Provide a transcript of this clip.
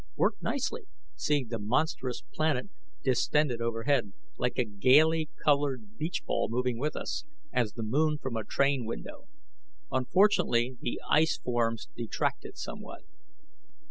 Worked nicely, seeing the monstrous planet distended overhead, like a gaily colored beach ball moving with us, as the moon from a train window. Unfortunately, the ice forms detracted somewhat.